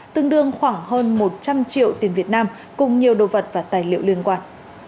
tương đương khoảng hơn một trăm linh triệu tiền việt nam cùng nhiều đồ vật và tài liệu liên quan